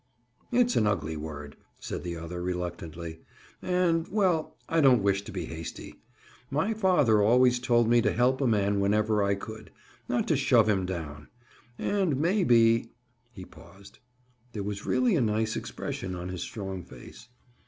"It's an ugly word," said the other reluctantly, "and—well, I don't wish to be hasty. My father always told me to help a man whenever I could; not to shove him down. And maybe—" He paused. There was really a nice expression on his strong face.